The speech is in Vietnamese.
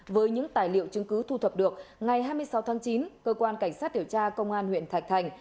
với những tài liệu chứng cứ thu thập được ngày hai mươi sáu tháng chín cơ quan cảnh sát điều tra công an huyện thạch thành